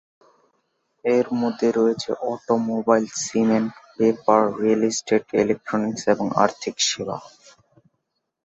এর মধ্যে রয়েছে automobile, cement, paper, real estate, electronics এবং আর্থিক সেবা।